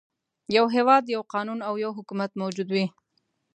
يو هېواد، یو قانون او یو حکومت موجود دی.